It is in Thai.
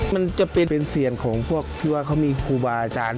มันจะเป็นเป็นเสียงของพวกที่ว่าเขามีครูบาอาจารย์